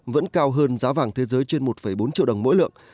vẫn cao hơn giá vàng thế giới trên một bốn triệu đồng mỗi lượng